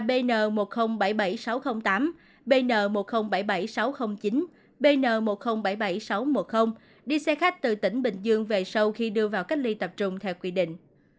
bn một nghìn bảy mươi bảy nghìn sáu trăm linh tám bn một nghìn bảy mươi bảy nghìn sáu trăm linh chín bn một nghìn bảy mươi bảy nghìn sáu trăm một mươi đi xe khách từ tỉnh bình dương về sau khi đưa vào cách ly tập trung theo quy định